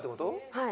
はい。